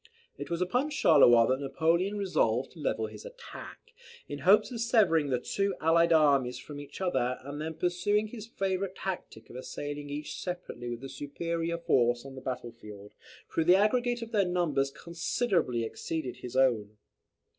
It was upon Charleroi that Napoleon resolved to level his attack, in hopes of severing the two allied armies from each other, and then pursuing his favourite tactic of assailing each separately with a superior force on the battle field, though the aggregate of their numbers considerably exceeded his own.